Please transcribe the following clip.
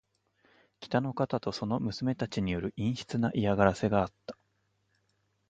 北の方とその娘たちによる陰湿な嫌がらせがあった。